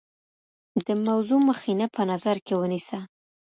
د موضوع مخینه په نظر کې ونیسه.